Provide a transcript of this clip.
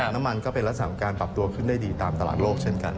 น้ำมันก็เป็นลักษณะของการปรับตัวขึ้นได้ดีตามตลาดโลกเช่นกัน